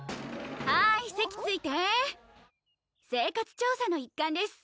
はい席着いて生活調査の一環です